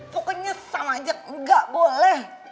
pokoknya sama aja gak boleh